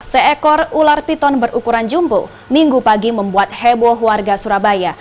seekor ular piton berukuran jumbo minggu pagi membuat heboh warga surabaya